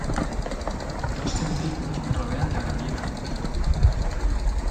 Dos semicírculos rodean la glorieta central.